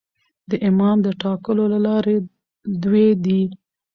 د امام د ټاکلو لاري دوې دي.